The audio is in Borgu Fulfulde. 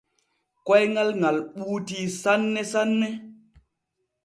Koyŋal ŋal ɓuutii sanne sanne.